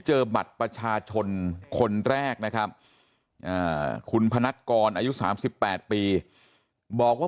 เจอบัตรประชาชนคนแรกนะครับคุณพนัทกรอายุ๓๘ปีบอกว่า